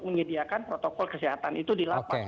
menyediakan protokol kesehatan itu di lapas